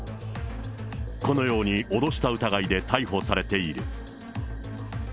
このように脅した疑いで逮捕されている。